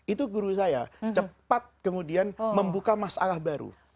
itu guru saya cepat kemudian membuka masalah baru